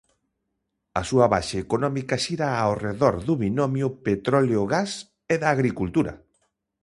A súa base económica xira ao redor do binomio petróleo-gas e da agricultura.